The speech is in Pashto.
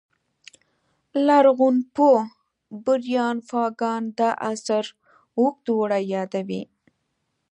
لرغونپوه بریان فاګان دا عصر اوږد اوړی یادوي